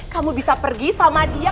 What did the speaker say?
kamu bisa pergi sama dia